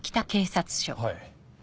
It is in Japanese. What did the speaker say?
はい。